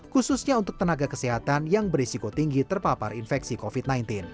khususnya untuk tenaga kesehatan yang berisiko tinggi terpapar infeksi covid sembilan belas